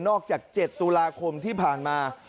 จาก๗ตุลาคมที่ผ่านมา